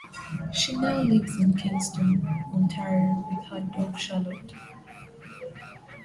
She now lives in Kingston, Ontario with her dog Charlotte.